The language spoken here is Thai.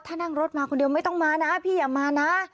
ถ้านั่งรถคนเดียวมาไม่ต้องมานะ